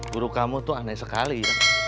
guru kamu tuh aneh sekali